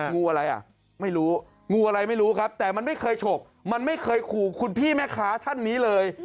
งูอะไรอ่ะไม่รู้งูอะไรไม่รู้ครับแต่มันไม่เคยฉกมันไม่เคยขู่คุณพี่แม่ค้าท่านนี้เลย